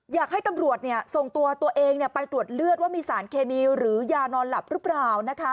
อยากให้ตำรวจส่งตัวตัวเองไปตรวจเลือดว่ามีสารเคมีหรือยานอนหลับหรือเปล่า